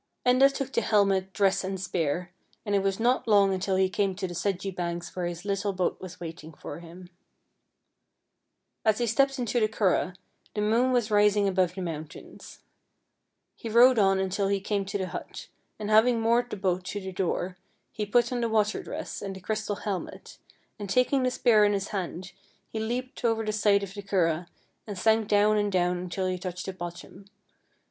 Enda took the helmet, dress, and spear, and it was not long until he came to the sedgy banks where his little boat was waiting for him. As he stepped into the curragh the moon was rising above the mountains. He rowed on until he came to the hut, and having moored the boat to the door, he put on the water dress and the crys tal helmet, and taking the spear in his hand, he leaped over the side of the curragh, and sank down and down until he touched the bottom.